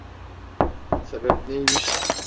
Sebep neymiş?